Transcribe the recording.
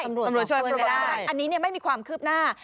ตำรวจช่วยตรวจได้อันนี้ไม่มีความคืบหน้า